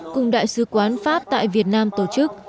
cùng đại sứ quán pháp tại việt nam tổ chức